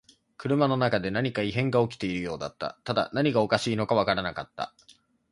車の中で何か異変が起きているようだった。ただ何がおかしいのかわからなかった。